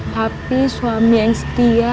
papi suami yang setia